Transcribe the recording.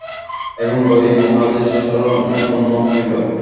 এখন গরীব, মহারাজের শরণাপন্ন হইল।